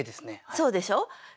そうでしょ？